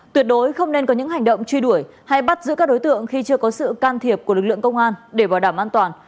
tuyệt đối không nên có những hành động truy đuổi hay bắt giữ các đối tượng khi chưa có sự can thiệp của lực lượng công an để bảo đảm an toàn